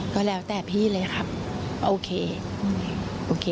ก็แล้วแต่พี่เลยครับโอเคโอเค